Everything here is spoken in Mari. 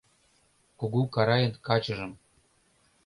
Кугу Карайын качыжым